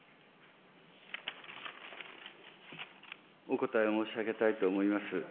お答えを申し上げたいと思います。